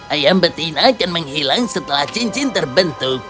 ayam betina akan menghilang setelah cincin terbentuk